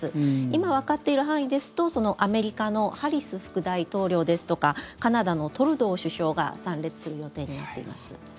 今わかっている範囲ですとアメリカのハリス副大統領ですとかカナダのトルドー首相が参列する予定になっています。